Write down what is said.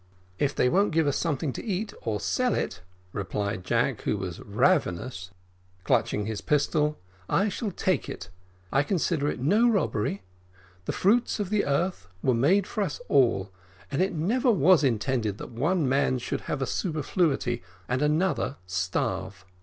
"If they won't give us something to eat, or sell it," replied Jack, who was ravenous, clutching his pistol, "I shall take it I consider it no robbery. The fruits of the earth were made for us all, and it never was intended that one man should have a superfluity and another starve.